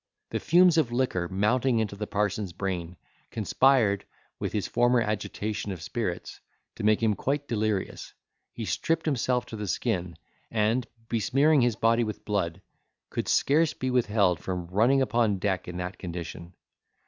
The fumes of the liquor mounting into the parson's brain, conspired, with his former agitation of spirits, to make him quite delirious; he stripped himself to the skin; and, besmearing his body with blood, could scarce be withheld from running upon deck in that condition.